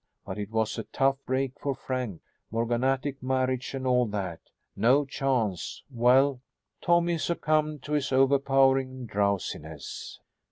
But it was a tough break for Frank morganatic marriage and all that. No chance well Tommy succumbed to his overpowering drowsiness.